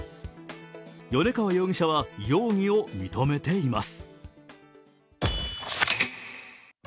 米川容疑者は容疑を認めています。